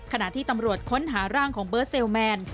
ขณะที่ตำรวจค้นหาร่างของเบิร์ตเซลแมน